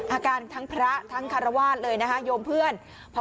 อาการทั้งพระต์ทั้งคารวาลโยมเพื่อน